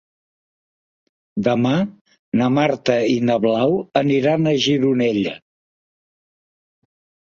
Demà na Marta i na Blau aniran a Gironella.